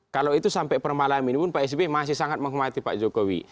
kalau itu sampai per malam ini pun pak sby masih sangat menghormati pak jokowi